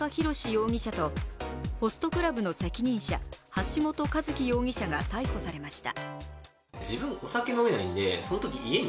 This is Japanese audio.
容疑者とホストクラブの責任者、橋本一喜容疑者が逮捕されました。